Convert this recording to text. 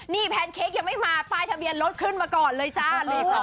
นี่แพนเค้กยังไม่มาป้ายทะเบียนรถขึ้นมาก่อนเลยจ้าเลยค่ะ